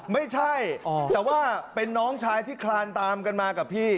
ไม่ใช่แต่ว่าเป็นน้องชายที่คลานตามกันมากับพี่